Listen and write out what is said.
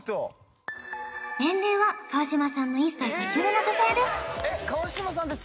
年齢は川島さんの１歳年上の女性です私